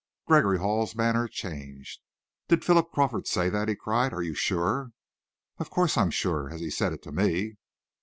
Gregory Hall's manner changed. "Did Philip Crawford say that?" he cried. "Are you sure?" "Of course I'm sure, as he said it to me."